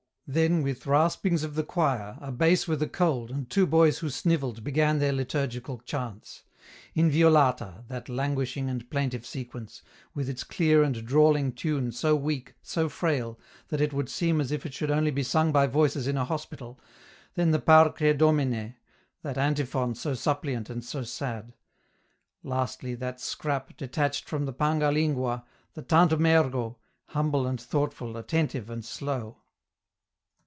Then with raspings of the choir, a bass with a cold, and two boys who snivelled began their liturgical chants :" Inviolata," that languishing and plaintive Sequence, with its clear and drawling tune so weak, so frail, that it would 78 EN ROUTE. seem as if it should only be sung by voices in a hospital , then the ' Parce Domine," that antiphon so suppliant and so sad ; lastly, that scrap, detached from the " Panga Lingua," the " Tantum ergo," humble and thoughtful, attentive and slow.